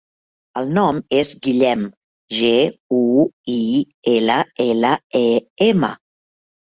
El nom és Guillem: ge, u, i, ela, ela, e, ema.